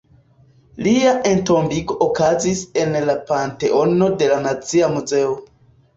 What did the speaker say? Lia entombigo okazis en la Panteono de la Nacia Muzeo.